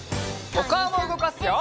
おかおもうごかすよ！